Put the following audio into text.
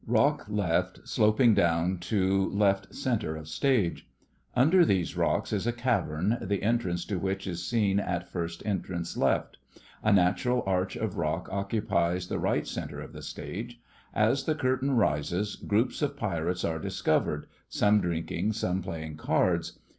Rock L. sloping down to L.C. of stage. Under these rocks is a cavern, the entrance to which is seen at first entrance L. A natural arch of rock occupies the R.C. of the stage. As the curtain rises groups of pirates are discovered — some drinking, some playing cards.